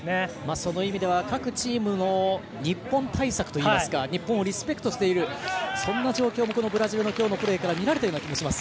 その意味では各チームの日本対策といいますか日本をリスペクトしているそんな状況もブラジルの今日のプレーから見られた気がします。